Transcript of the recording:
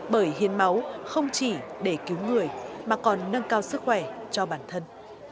bởi hiến máu không chỉ để cứu người mà còn nâng cao sức khỏe cho bản thân